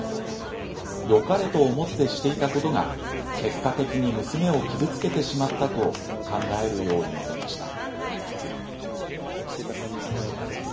よかれと思ってしていたことが結果的に恭子さんを傷つけてしまったと考えるようになりました。